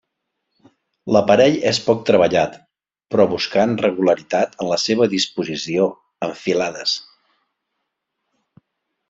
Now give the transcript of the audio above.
L'aparell és poc treballat, però buscant regularitat en la seva disposició en filades.